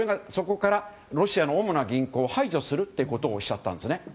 そこからロシアの主な銀行を排除するということをしたんです。